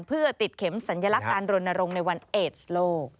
เพื่อติดเข็มสัญลักษณ์การรณรงค์ในวันเอสโลก